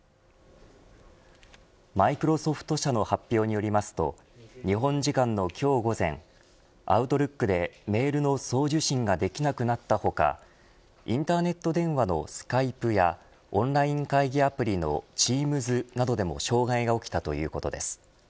マイクロソフト社の発表によりますと日本時間の今日午前アウトルックでメールの送受信ができなくなった他インターネット電話のスカイプやオンライン会議アプリのチームズなどでも障害が起きたということです。